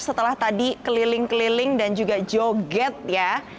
setelah tadi keliling keliling dan juga joget ya